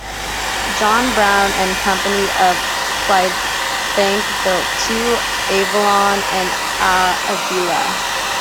John Brown and Company of Clydebank built two: "Avelona" and "Avila".